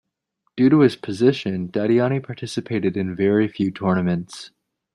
Due to his position, Dadiani participated in very few tournaments.